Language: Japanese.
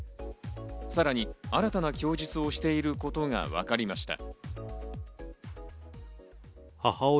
さらに新たな供述をしていることがわかりました。